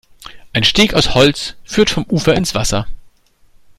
Ein Steg aus Holz führt vom Ufer ins Wasser.